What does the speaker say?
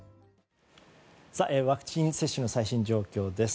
ワクチン接種の最新状況です。